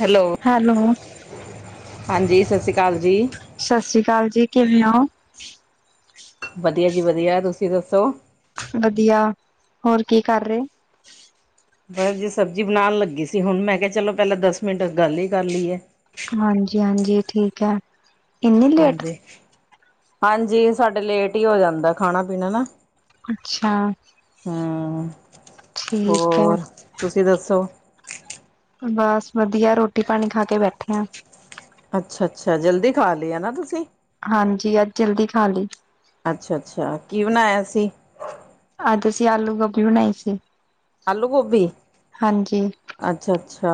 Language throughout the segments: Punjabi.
ਹੈਲੋ ਹੈਲੋ, ਹਾਂਜੀ ਸਤਿ ਸ਼੍ਰੀ ਅਕਾਲ ਜੀ। ਸਤਿ ਸ੍ਰੀ ਅਕਾਲ ਜੀ, ਕਿਵੇਂ ਹੋ? ਵਧੀਆ ਜੀ ਵਧੀਆ ਤੁਸੀਂ ਦੱਸੋ। ਵਧੀਆ ਹੋਰ ਕੀ ਕਰ ਰਹੇ ਔ। ਪਰਸ ਜੇ ਸਬਜ਼ੀ ਬਣਾਉਣ ਲੱਗੀ ਸੀ ਹੁਣ, ਮੈਂ ਕਿਹਾ ਚਲੋ ਪਹਿਲਾਂ ਦਸ ਮਿੰਟ ਗੱਲ ਹੀ ਕਰ ਲਈਏ। ਹਾਂਜੀ-ਹਾਂਜੀ, ਠੀਕ ਹੈ। ਇੰਨੀ ਲੇਟ? ਹਾਂਜੀ ਹਾਂਜੀ ਸਾਡੇ ਲੇਟ ਹੀ ਹੋ ਜਾਂਦਾ, ਖਾਣਾ ਪੀਣਾ ਨਾ। ਅੱਛਾ ਹੂ ਠੀਕ ਹੈ। ਹੋਰ ਤੁਸੀਂ ਦੱਸੋ। ਬਸ ਵਧੀਆ ਰੋਟੀ ਪਾਣੀ ਖਾ ਕੇ ਬੈਠੇ ਆ। ਅੱਛਾ ਅੱਛਾ ਜਲਦੀ ਖਾ ਲਈ ਆ ਨਾ ਤੁਸੀਂ। ਹਾਂਜੀ ਅੱਜ ਜਲਦੀ ਖਾ ਲਈ। ਅੱਛਾ ਅੱਛਾ ਕੀ ਬਣਾਇਆ ਸੀ। ਆਜ ਅਸੀਂ ਆਲੂ ਗੋਭੀ ਬਣਾਈ ਸੀ। ਆਲੂ ਗੋਭੀ। ਅੱਛਾ ਅੱਛਾ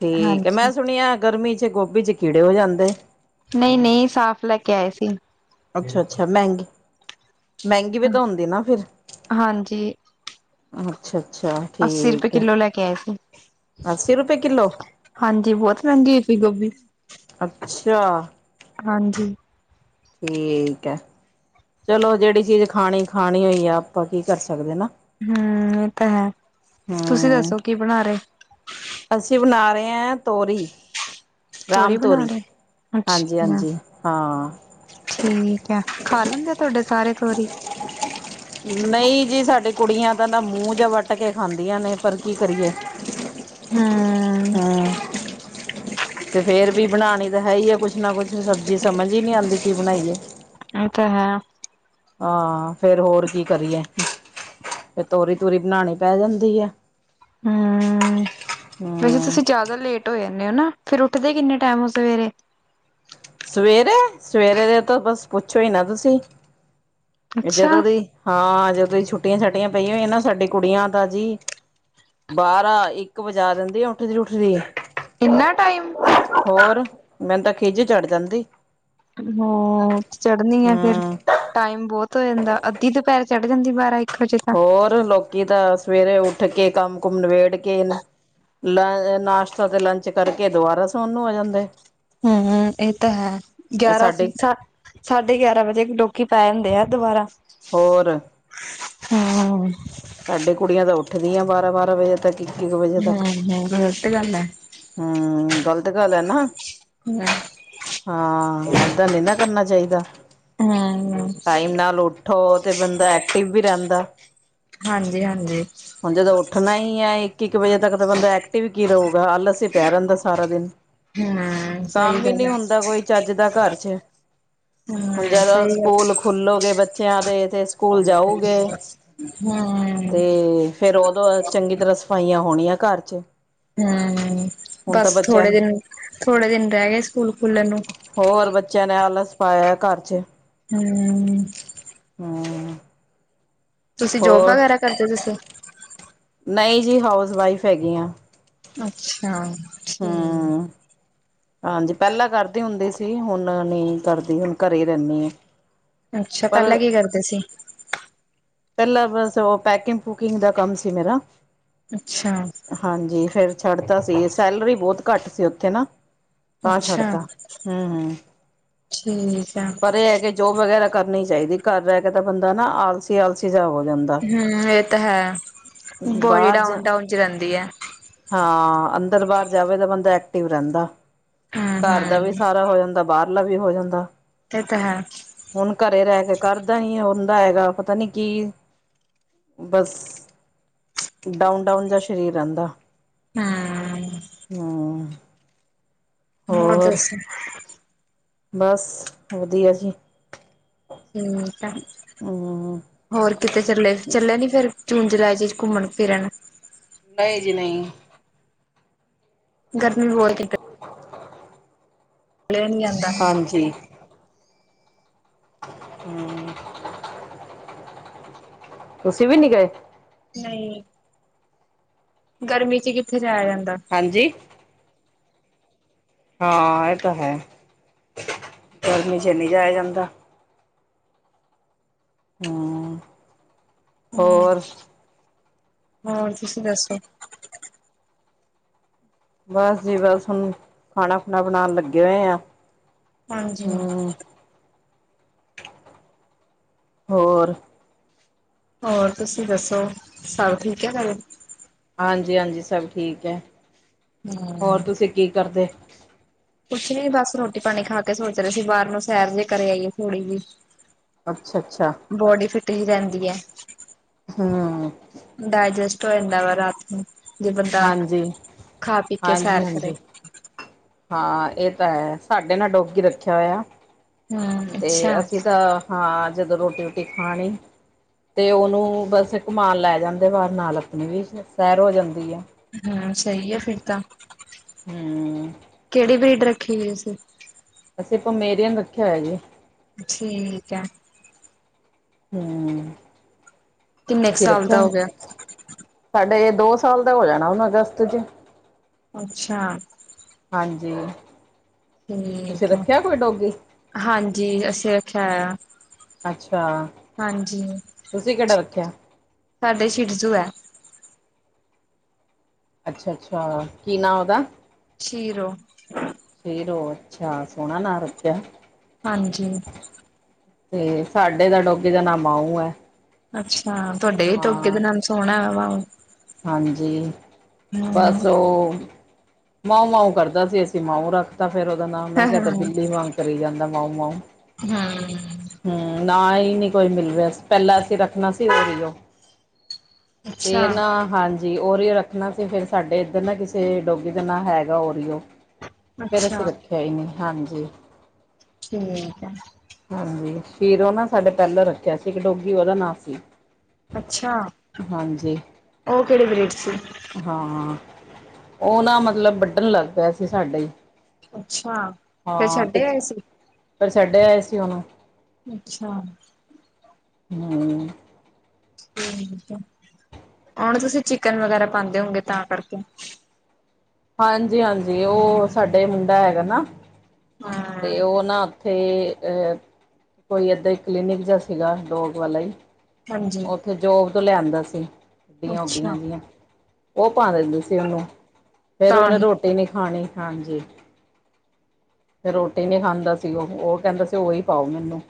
ਠੀਕ ਹੈ ਮੈਂ ਸੁਣਿਆ ਗਰਮੀ ਚ ਗੋਭੀ ਚ ਕੀੜੇ ਹੋ ਜਾਂਦੇ ਐ। ਨਹੀਂ ਨਹੀਂ ਸਾਫ਼ ਲੈ ਕੇ ਆਏ ਸੀ। ਅੱਛਾ ਅੱਛਾ ਮਹਿੰਗੇ। ਮਹਿੰਗੀ ਵੀ ਤਾਂ ਹੁੰਦੀ ਨਾ ਫਿਰ, ਹਾਂਜੀ, ਅੱਛਾ ਅੱਛਾ ਅੱਸੀ ਰੁਪਏ ਠੀਕ ਹੈ। ਕਿੱਲੋ ਲੈ ਕੇ ਆਏ ਸੀ। ਅੱਸੀ ਰੁਪਏ ਕਿੱਲੋ ਹਾਂਜੀ ਬਹੁਤ ਮਹਿੰਗੀ ਸੀ ਗੋਭੀ। ਅੱਛਾ ਹਾਂਜੀ ਠੀਕ ਹੈ। ਚਲੋ ਜਿਹੜੀ ਚੀਜ਼ ਖਾਣੀ ਖਾਣੀ ਹੋਈ ਐ, ਆਪਾਂ ਕੀ ਕਰ ਸਕਦੇ ਨਾ। ਹੂ, ਇਹ ਤਾਂ ਹੈ ਤੁਸੀਂ ਹਮ ਦੱਸੋ ਕੀ ਬਣਾ ਰਹੇ। ਅਸੀਂ ਬਣਾ ਰਹੇ ਐ, ਤੋਰੀ। ਤੋਰੀ ਬਣਾ ਰੇ, ਹਾਂਜੀ ਅੱਛਾ ਹਾਂਜੀ ਹਾਂ ਠੀਕ ਹੈ, ਖਾ ਲੈਂਦੇ ਆ ਤੁਹਾਡੇ। ਸਾਰੇ ਤੋਰੀ ਨਹੀਂ ਜੀ ਸਾਡੇ ਕੁੜੀਆਂ ਤੇ ਨਾ, ਮੂੰਹ ਜੇਹਾ ਵੱਟ ਕੇ ਖਾਂਦੀਆਂ ਨੇ ਪਰ ਕੀ ਕਰੀਏ। ਹਮ ਹਾਂ ਤੇ ਫੇਰ ਵੀ ਬਣਾਉਣੀ ਤਾਂ ਹੈ ਹੀ ਆ ਕੁਛ ਨਾ ਕੁਛ ਸਬਜ਼ੀ ਸਮਝ ਹੀ ਨੀ ਆਉਂਦੀ ਸੀ ਬਣਾਈਏ ਇਹ ਤਾਂ ਹੈ। ਹਾਂ। ਫੇਰ ਹੋਰ ਕੀ ਕਰੀਏ, ਫਿਰ ਤੋਰੀ- ਤੂਰੀ ਬਣਾਉਣੀ ਪੈ ਜਾਂਦੀ ਐ। ਹੂੰ ਵੈਸੇ ਹਮ ਤੁਸੀਂ ਜ਼ਿਆਦਾ ਲੇਟ ਹੋ ਜਾਂਦੇ ਹੋ ਨਾ ਫਿਰ ਉੱਠਦੇ ਕਿੰਨੇ ਟਾਈਮ ਸਵੇਰੇ ਸਵੇਰੇ ਸਵੇਰੇ ਦੇ ਤਾਂ ਬਸ ਪੁੱਛੋ ਹੀ ਨਾ ਤੁਸੀਂ ਅੱਛਾ ਜਦੋਂ ਦੀ ਹਾਂ ਜਦੋਂ ਛੁੱਟੀਆਂ ਛੁੱਟੀਆਂ ਪਈਆਂ ਹੋਈ ਨਾ ਸਾਡੇ ਕੁੜੀਆਂ ਤਾਂ ਜੀ ਬਾਹਾਰ ਇੱਕ ਵਜਾ ਦਿੰਦੇ। ਉੱਠਦੀ ਉੱਠਦੀ ਹੈ ਇੰਨਾ ਟਾਈਮ ਹੋਰ ਮੈਨੂੰ ਤਾਂ ਖੀਝ ਚੜ ਜਾਂਦੀ। ਹਾਂ ਚੜ੍ਹਨੀ ਆ ਫੇਰ ਹਮ ਟਾਈਮ ਬਹੁਤ ਹੋ ਜਾਂਦਾ। ਅੱਧੀ ਦੁਪਹਿਰ ਚੜ ਜਾਂਦੀ ਬਾਰਾਂ-ਇਕ ਹੋਰ ਲੋਕੀ ਤਾਂ ਸਵੇਰੇ ਉੱਠ ਉੱਠ ਕੇ ਕੰਮ ਕੁਮ ਨਿਬੇੜ ਕੇ, ਨਾਸ਼ਤਾ ਤੇ ਲੰਚ ਕਰਕੇ ਦੁਬਾਰਾ ਸੋਣ ਨੂੰ ਹੋ ਜਾਂਦੇ। ਹੂੰ ਹੂੰ ਇਹ ਤਾਂ ਹੈ ਗਿਆਰਾਂ ਸਾਡੇ ਸਾ ਸਾਢੇ ਗਿਆਰਾਂ ਵਜੇ ਲੋਕੀ ਪੈ ਜਾਂਦੇ ਐ ਦੁਬਾਰਾ ਹੋਰ ਹਮ ਸਾਡੇ ਕੁੜੀਆਂ ਦਾ ਉੱਠ ਉੱਠਦੀਆਂ ਬਾਰਾਂ ਬਾਰਾਂ ਵਜੇ ਤੱਕ ਈ ਹੂੰ ਹੂੰ ਗੱਲਤ ਗੱਲ ਹੈ। ਹੂੰ ਗਲਤ ਗੱਲ ਹੈ ਨਾ ਹਮ ਹਾਂ ਏਦਾਂ ਨੀ ਨਾ ਕਰਨਾ ਚਾਹੀਦਾ। ਦਾ ਹਮ ਟਾਈਮ ਨਾਲ ਉੱਠੋ ਤੇ ਬੰਦਾ ਐਕਟਿਵ ਵੀ ਰਹਿੰਦਾ। ਹਾਂਜੀ ਹਾਂਜੀ ਹੁਣ ਜਦੋਂ ਉੱਠਣਾ ਹੀ ਹੈ ਇੱਕ ਇੱਕ ਵਜੇ ਤੱਕ ਤਾਂ ਬੰਦਾ ਐਕਟਿਵ ਕੀ ਰਹੋ ਪ ਆਲਸ ਤੇ ਪਿਆ ਰਹਿੰਦਾ ਸਾਰਾ ਦਿਨ ਹੂੰ ਸਹੀ ਕੰਮ ਵੀ ਗੱਲ ਨੀ ਹੈ ਹੁੰਦਾ ਕੋਈ ਚੱਜ ਦਾ ਘਰ ਚ ਹੁਣ ਹੂੰ ਜਦੋਂ ਸਹੀ ਗੱਲ ਸਕੂਲ ਖੁੱਲੋਗੇ ਬੱਚਿਆਂ ਦੇ ਤੇ ਸਕੂਲ ਜਾਊਗੇ ਹੂੰ ਤੇ ਫੇਰ ਦੋਂ ਚੰਗੀ ਤਰ੍ਹਾਂ ਸਫਾਈਆਂ ਹੋਣੀਆਂ ਘਰ ਚ ਹੂੰ ਹੁਣ ਤਾਂ ਬਸ ਬੱਚਿਆਂ ਥੋੜੇ ਨੇ ਦਿਨ ਥੋੜੇ ਦਿਨ ਰਹਿ ਗਏ ਸਕੂਲ ਖੁਲਣ ਨੂੰ ਹੋਰ ਬੱਚਿਆਂ ਨੇ ਆਲਸ ਪਾਇਆ ਘਰ ਚ ਹੂੰ [unintelligible] ਤੁਸੀਂ ਜੋਬ ਹੋਰ ਵਗੈਰਾ ਕਰਦੇ ਤੁਸੀਂ ਨਹੀਂ ਜੀ ਹਾਊਸ ਵਾਈਫ ਹੈਗੀ ਆ ਅੱਛਾ ਠੀਕ ਹਮ ਹਾਂਜੀ ਪਹਿਲਾਂ ਕਰਦੇ ਹੁੰਦੇ ਸ [unintelligible] ਹੁਣ ਨਹੀਂ ਕਰਦੀ ਹੁਣ ਘਰੇ ਰਹਿੰਨੀ ਏ ਅੱਛਾ ਪਹਿਲਾਂ ਕੀ ਕਰਦੇ ਸੀ ਪਹਿਲਾਂ ਬਸ ਉਹ ਪੈਕਿੰਗ ਫੂਕਿੰਗ ਦਾ ਕੰਮ ਸੀ ਮੇਰਾ ਅੱਛਾ ਹਾਂਜੀ ਫੇਰ ਛੱਡਤਾ ਸੀ ਸੈਲਰੀ ਬਹੁਤ ਘੱਟ ਸੀ ਉੱਥੇ ਨਾ ਤਾਂ ਅੱਛਾ ਛੱਡਤਾ ਹਮ ਹਮ ਠੀਕ ਆ ਪਰ ਇਹ ਹੈ ਕਿ ਜੋਬ ਵਗੈਰਾ ਕਰਨੀ ਚਾਹੀਦੀ ਘਰ ਰਹਿ ਕੇ ਤਾਂ ਬੰਦਾ ਨਾ ਆਲਸ ਸ਼ਿਆਲਸੀ ਜਾ ਜਾਂਦਾ ਹੂੰ ਇਹ ਤਾਂ ਹੈ ਬੋਡੀ ਬਾਹਰ ਜਾ ਡਾਊਨ ਡਾਊਨ ਚ ਰਹਿੰਦੀ ਹੈ ਹਾਂ ਅੰਦਰ ਬਾਹਰ ਜਾਵੇ ਤਾਂ ਬੰਦਾ ਐਕਟਿਵ ਰਹਿੰਦਾ ਹੂੰ ਘਰ ਦਾ ਵੀ ਹੂੰ ਸਾਰਾ ਹੋ ਜਾਂਦਾ ਬਾਹਰ ਪਲਾ [unintelligible] ਵੀ ਹੋ ਜਾਂਦਾ ਇਹ ਤਾਂ ਹੈ ਹੁਣ ਘਰੇ ਰਹਿ ਕੇ ਕਰਦਾ ਹੀ ਉਹ [unintelligible] ਹੈਗਾ [unintelligible] ਤਾ ਨੀ ਕਿ ਬਸ ਡਾਊਨ ਡਾਊਨ ਜਾ ਸਰੀਰ ਰਹਿੰਦਾ ਹੂੰ ਹਮ ਹੋਰ ਦੱਸ ਬਸ ਵਧੀਆ ਜੀ [unintelligible] ਠੀਕ ਹੈ ਹੂੰ ਹੋਰ ਕਿਤੇ ਚੱਲੇ ਚੱਲਿਆ ਨੀ ਫੇਰ ਜੂਨ ਜੁਲਾਈ ਚ ਘੁੰਮਣ ਫਿਰਣ ਨਹੀਂ ਜੀ ਨਹੀਂ ਗਰਮੀ ਬਇ ਕਿਟ [unintelligible] ਕਲਿਆ ਨਹੀਂ ਜਾਂਦਾ ਹਾਂਜੀ [unintelligible] ਤੁਸੀਂ ਵੀ ਨੀ ਗਏ ਨਹੀਂ ਗਰਮੀ ਚ ਕਿੱਥੇ ਜਾਇਆ ਜਾਂਦਾ ਹਾਂਜੀ ਹਾਂ ਇਹ ਤਾਂ ਹੈ ਗਰਮੀ ਚ ਨਹੀਂ ਜਾਇਆ ਜਾਂਦਾ ਹਮ ਹਮ ਹੋਰ ਤੁਸੀਂ ਦੱਸੋ ਬਸ ਜੀ ਬਸ ਹੁਣ ਖਾਣਾ ਖੁਣਾ ਬਣਾਉਣ ਲੱਗੇ ਹੋਏ ਆ ਹਾਂਜੀ ਹਾਂ ਹੂੰ ਹੋਰ ਹੋਰ ਤੁਸੀਂ ਦੱਸੋ ਸਭ ਠੀਕ ਹੈ ਘਰੇ ਹਾਂਜੀ-ਹਾਂਜੀ ਸਭ ਠੀਕ ਹੈ। ਹੋਰ ਹਮ ਤੁਸੀਂ ਕੀ ਕਰਦੇ? ਕੁਛ ਨੀ ਬਸ ਰੋਟੀ ਪਾਣੀ ਖਾ ਕੇ ਸੋਚ ਰਹੇ ਸੀ ਬਾਹਰ ਨੂੰ ਸੈਰ ਜੇਹੇ ਕਰ ਆਈਏ ਥੋੜ੍ਹੀ ਜੀ, ਅੱਛਾ ਅੱਛਾ ਬੋਡੀ ਫਿਟ ਹੀ ਰਹਿੰਦੀ ਹੈ ਹੂੰ ਡਾਇਜਸਟ ਦਾ ਵੇ ਰਾਤ ਨੂੰ ਜੇ ਬੰਦਾ ਹਾਂਜੀ ਖਾ ਪੀ ਕੇ ਹਾਂਜੀ ਸੈਰ ਕਰੇ, ਹਾਂਜੀ ਹਾਂ ਇਹ ਤਾਂ ਹੈ ਸਾਡੇ ਨਾਲ ਡੋਗੀ ਰੱਖਿਆ ਹੋਇਆ। ਹਮ ਤੇ ਅੱਛਾ ਅਸੀਂ ਤਾਂ ਹਾਂ, ਜਦੋਂ ਰੋਟੀ ਰੋਟੀ ਖਾਣੀ ਤੇ ਉਹਨੂੰ ਬਸ ਇੱਕ ਕਮਾਨ ਲੈ ਜਾਂਦੇ ਬਾਹਾਰ ਨਾਲ ਆਪਣੀ ਵੀ ਸੈਰ ਹੋ ਜਾਂਦੀ ਆ। ਹਾਂ, ਸਹੀ ਹੈ ਫਿਰ ਤਾਂ ਹੂੰ ਕਿਹੜੀ ਬਰੀਡ ਈ ਹੋਈ ਸੀ। ਅਸੀਂ ਪਮੇਰੀਅਨ ਰੱਖਿਆ ਹੋਇਆ ਜੀ। ਠੀਕ ਹੈ। ਹੂੰ, ਕਿੰਨੇ ਕੁ ਤੁਸੀਂ ਸਾਲ ਦਾ ਰੱਖਿਆ? ਹੋ ਗਿਆ ਸਾਡੇ, ਦੋ ਸਾਲ ਦਾ ਹੋ ਜਾਣਾ ਉਹਨੂੰ ਅਗਸਤ ਚ, ਅੱਛਾ, ਹਾਂਜੀ, ਤੁਸੀਂ ਠੀਕ ਹੈ ਰੱਖਿਆ ਕੋਈ ਡੋਗੀ ਹਾਂਜੀ, ਹੈ [unintelligible] ਅੱਛਾ, ਤੁਸੀਂ ਕਿਹੜਾ ਰੱਖਿਆ? ਸਾਡੇ ਛਿਟਜੂ ਹੈ। ਅੱਛਾ-ਅੱਛਾ, ਕੀ ਨਾਂ ਉਹਦਾ? ਸ਼ੀਰੋ, ਸ਼ੇਰੋ ਅੱਛਾ, ਸੋਹਣਾਂ ਨਾ ਰੱਖਿਆ। ਹਾਂਜੀ ਤੇ ਸਾਡੇ ਦਾ ਡੋਗੀ ਦਾ ਨਾ ਮਾਊ ਹੈ। ਅੱਛਾ, ਹਾਂ ਤੁਹਾਡੇ ਵੀ ਡੋਗੀ ਦੇ ਹਾਂ ਨਾਮ ਸੋਹਣਾ ਮਾਊ, ਹਾਂਜੀ ਹਮ ਬਸ ਉਹ, ਮਾਊ ਮਾਊ ਕਰਦਾ ਸੀ ਅਸੀਂ ਮਾਊ ਰੱਖਦਾ। ਫੇਰ ਉਹਦਾ ਨਾ ਮੈਂ ਕਿਹਾ ਬਿਲੀ ਵਾਂਗ ਕਰੀ ਜਾਂਦਾ ਮਾਊ-ਮਾਊ ਹਮ ਹੂੰ, ਨਾ ਹੀ ਨੀ ਕੋਈ ਮਿਲ ਰਿਹਾ। ਪਹਿਲਾਂ ਅਸੀਂ ਰੱਖਣਾ [unintelligible] ਅੱਛਾ, ਜੀ ਔਰੀਓ ਰੱਖਣਾ ਸੀ ਫਿਰ, ਸਾਡੇ ਇੱਧਰ ਨਾ ਕਿਸੇ ਡੋਗੀ ਦਾ ਨਾਂ ਹੈਗਾ ਔਰੀਓ ਫੇਰ ਅਸੀਂ ਅੱਛਾ ਰੱਖਿਆ ਹੀ ਨੀ, ਹਾਂਜੀ, ਠੀਕ ਆ। ਫੇਰ ਉਹ ਨਾ ਸਾਡੇ ਪਹਿਲੋਂ ਰੱਖਿਆ ਸੀ ਇੱਕ ਡੋਗੀ ਉਹਦਾ ਨਾਂ ਸੀ। ਅੱਛਾ, ਹਾਂਜੀ ਕਿਹੜੇ ਬਰੇਟ ਸੀ? ਹ, ਉਹ ਨਾ ਮਤਲਬ, ਵੱਢਣ ਲੱਗ ਪਿਆ ਸੀ ਸਾਡੇ ਛੀ। ਹਾਂ ਤੇ, ਫੇਰ ਛੱਡਿਆ ਆਏ ਸੀ ਉਹਨੂੰ। ਅੱਛਾ। ਹੂੰ। ਓਹਨੂੰ, ਤੁਸੀਂ ਚਿਕਨ ਵਗੈਰਾ, ਪਾਂਦੇ ਹੋਗੇ ਤਾਂ ਕਰਕੇ। ਹਾਂਜੀ-ਹਾਂਜੀ ਉਹ ਸਾਡੇ ਮੁੰਡਾ ਹੈਗਾ ਨਾ ਹਾਂ ਤੇ ਉਹ ਨਾ ਉੱਥੇ ਅਹ ਕੋਈ ਏਦਾਂ ਹੀ ਕਲੀਨਿਕ ਜਾਂ ਸੀਗਾ ਡੋਗ ਵਾਲਾ ਹੀ ਹਾਂਜੀ ਉੱਥੇ ਜੋਬ ਤੋਂ ਲਿਆਂਦਾ ਸੀ ਅਤੇ ਗਡੀਆਂ ਉੱਡੀਆਂ ਅੱਛਾ ਗਇਆ ਉ ਪਾ ਦਿੰਦੀ ਸੀ ਉਹਨੂੰ ਫੇਰ ਤਾਂ ਉਹਨੇ ਹੀ ਰੋਟੀ ਨੀ ਖਾਣੀ। ਹਾਂਜੀ। ਫੇਰ ਰੋਟੀ ਨੀ ਖਾਂਦਾ ਸੀ ਉਹ ਉਹ ਕਹਿੰਦਾ ਸੀ ਉਹੀ ਪਾਓ ਮੈਨੂੰ।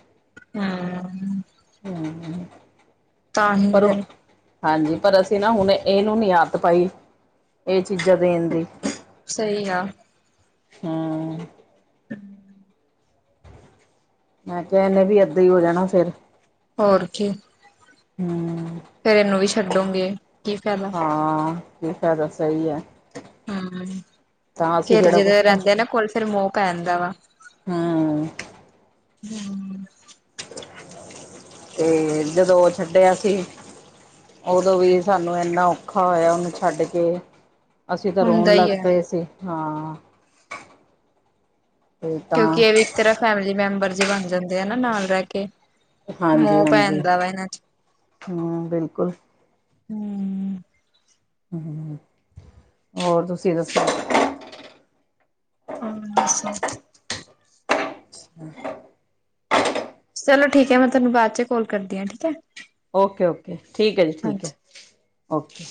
ਹੂੰ। ਹੂੰ। ਤਾਂਹੀ ਫੇਰ। ਹਾਂਜੀ, ਪਰ ਅਸੀਂ ਨਾ ਹੁਣ ਇਹਨੂੰ ਨੀ ਆਦਤ ਪਾਈ ਇਹ ਚੀਜ਼ਾਂ ਦੇਣ ਦੀ। ਸਹੀ ਆਂ। ਹੂੰ। ਹੂੰ। ਮੈਂ ਕਿਹਾ ਐਨੇ ਵੀ ਏਦਾਂ ਹੀ ਹੋ ਜਾਣਾ ਫੇਰ। ਹੋਰ ਕੀ। ਹੂੰ। ਫਿਰ ਇਹ ਨੂੰ ਛੱਡੋਗੇ। ਕੀ ਫਾਇਦਾ ਹਾਂ ਇਹ ਫਾਇਦਾ ਸਹੀ ਐ। ਹੂੰ, ਕੇਹੜੀ ਕੁਛ ਜਗਹ ਕਰ ਰਹਿੰਦੇ ਨਾ, ਕੋਲ ਫੇਰ ਮੋਹ ਪੈ ਜਾਂਦਾ ਵਾ। ਹੂੰ ਹੂੰ ਤੇ ਜਦੋਂ ਉਹ ਛੱਡਿਆ ਸੀ ਉਦੋਂ ਵੀ ਸਾਨੂੰ ਇੰਨਾ ਔਖਾ ਹੋਇਆ ਉਹਨੂੰ ਛੱਡ ਕੇ। ਅਸੀਂ ਤਾਂ, ਹੁੰਦਾ ਰੋਣ ਹੀ ਲੱਗ ਹੈ ਪਏ ਸੀ। ਹਾਂ। ਤੇ ਤਾਂ ਕਿਉਂਕਿ, ਇਹ ਵੀ ਇੱਕ ਤਰ੍ਹਾਂ ਫੈਮਿਲੀ ਮੈਂਬਰ ਜੇ ਬਣ ਜਾਂਦੇ ਆ ਨਾ ਨਾਲ ਰਹਿ ਕੇ। ਹਾਂਜੀ, - ਮੋਹ ਪੈ ਹਾਂਜੀ। ਜਾਂਦਾ ਵਾ ਇਹਨਾਂ ਚ ਹੂੰ ਬਿਲਕੁਲ। ਹੂੰ, ਹੋਰ ਤੁਸੀਂ ਦੱਸੋ? ਹੂੰ, ਦੱਸੋ? ਹੂੰ, ਚਲੋ ਠੀਕ ਹੈ ਮੈਂ ਤੁਹਾਨੂੰ ਬਾਅਦ 'ਚ ਕੋਲ ਕਰਦੀ ਹਾਂ ਠੀਕ ਹੈ। ਓਕੇ, ਓਕੇ ਠੀਕ ਹੈ ਜੀ ਹਾਂਜੀ ਠੀਕ ਹੈ ਓਕੇ,